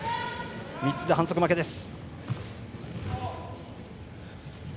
３つで反則負けです。